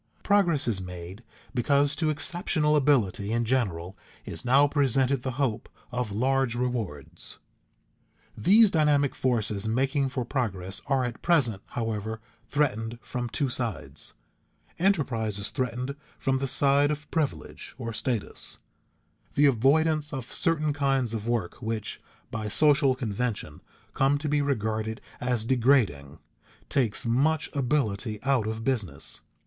Progress is made because to exceptional ability in general is now presented the hope of large rewards. [Sidenote: Status endangering progress] [Sidenote: Envy endangering progress] These dynamic forces making for progress are at present, however, threatened from two sides. Enterprise is threatened from the side of privilege or status. The avoidance of certain kinds of work which, by social convention, come to be regarded as degrading, takes much ability out of business.